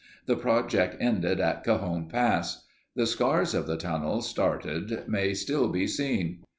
The project ended in Cajon Pass. The scars of the tunnel started may still be seen.